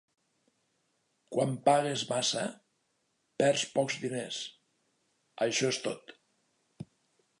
Quan pagues massa, perds pocs diners; això és tot.